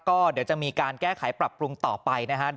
ก็เดี๋ยวจะมีการแก้ไขปรับปรุงต่อไปนะฮะ